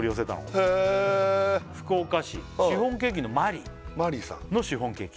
へえ福岡市シフォンケーキのマリィのシフォンケーキ